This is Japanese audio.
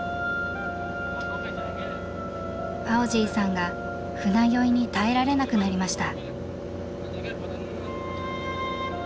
ファオジィさんが船酔いに耐えられなくなりました。